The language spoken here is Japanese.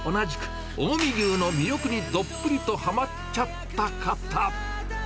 夫と同じく近江牛の魅力にどっぷりとはまっちゃった方。